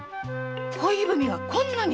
恋文がこんなに⁉